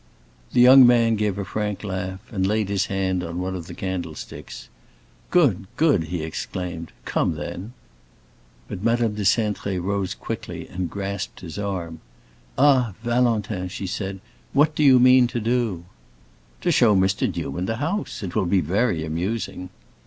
The young man gave a frank laugh, and laid his hand on one of the candlesticks. "Good, good!" he exclaimed. "Come, then." But Madame de Cintré rose quickly and grasped his arm, "Ah, Valentin!" she said. "What do you mean to do?" "To show Mr. Newman the house. It will be very amusing."